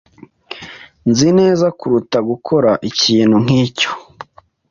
Nzi neza kuruta gukora ikintu nkicyo.